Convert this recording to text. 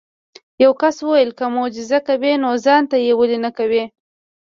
یو کس وویل که معجزه کوي نو ځان ته یې ولې نه کوې.